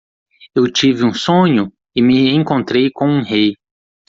Eu tive um sonho? e me encontrei com um rei.